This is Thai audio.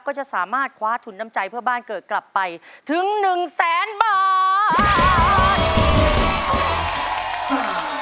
ก็จะสามารถคว้าทุนน้ำใจเพื่อบ้านเกิดกลับไปถึง๑แสนบาท